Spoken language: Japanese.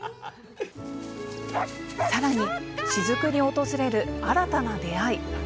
さらに、雫に訪れる新たな出会い。